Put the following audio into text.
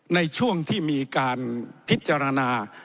ในช่วงที่มีการพิจารณา